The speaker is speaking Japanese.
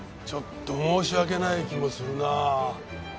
ちょっと申し訳ない気もするな。